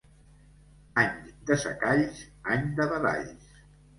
Any de secalls, any de badalls.